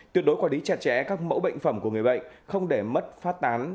tuyệt đối quản lý chặt chẽ các mẫu bệnh phẩm của người bệnh không để mất phát tán